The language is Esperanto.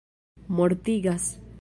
mortigas